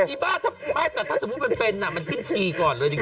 อีบ้าถ้าสมมติมันเป็นอ่ะมันขึ้นทีก่อนเลยจริง